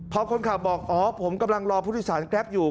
พอคนขับบอกอ๋อผมกำลังรอผู้โดยสารแกรปอยู่